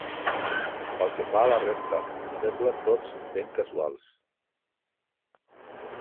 Pel que fa a la resta, semblen tots ben casuals.